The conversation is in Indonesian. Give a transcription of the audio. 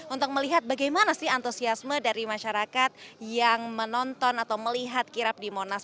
untuk melihat bagaimana sih antusiasme dari masyarakat yang menonton atau melihat kirap di monas